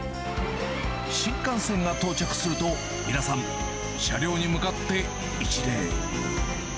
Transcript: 新幹線が到着すると、皆さん、車両に向かって一礼。